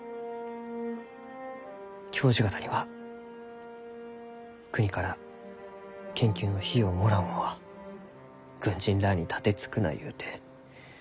教授方には国から研究の費用をもらう者は軍人らあに盾つくなゆうて。